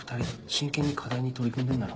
真剣に課題に取り組んでんだろ。